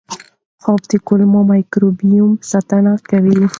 خوب د کولمو مایکروبیوم ساتنه کوي.